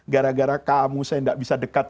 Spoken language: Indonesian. gara gara kamu saya tidak bisa dekat